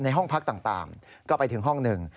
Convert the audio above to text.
ห้องพักต่างก็ไปถึงห้องหนึ่ง